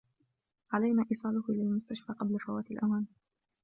علينا إيصاله إلى المستشفى قبل فوات الأوان.